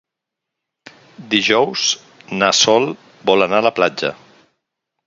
Dijous na Sol vol anar a la platja.